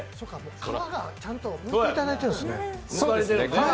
皮をちゃんとむいていただいているんですね。